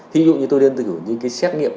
ví dụ như tôi đơn tự dùng những xét nghiệm